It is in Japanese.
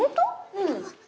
うん。